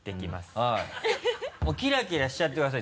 はいもうキラキラしちゃってください